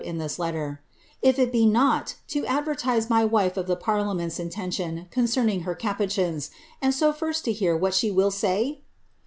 65 vroce on this letter, ^ if it be not, to advertise my wife of the parlia ment's intention concerning her capucius, and so first to hear what she will sav